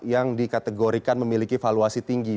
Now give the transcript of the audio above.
yang dikategorikan memiliki valuasi tinggi